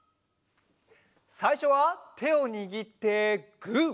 さいしょはてをにぎってグー。